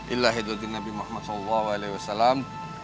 ilahi dutri nabi muhammad sallallahu alaihi wasallam